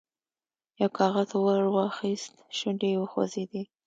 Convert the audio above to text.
یو کاغذ ور واخیست، شونډې یې وخوځېدې.